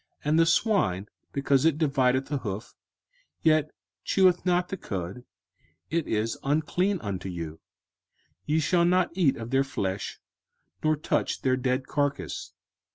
05:014:008 And the swine, because it divideth the hoof, yet cheweth not the cud, it is unclean unto you: ye shall not eat of their flesh, nor touch their dead carcase.